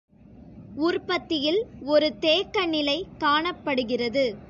உற்பத்தியில் ஒரு தேக்க நிலை காணப்படுகிறது